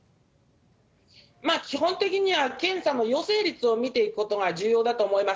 まあ、基本的には検査の陽性率を見ていくことが重要だと思います。